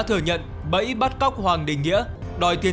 thừa nhận bẫy bắt cóc hoàng đình nghĩa đòi tiền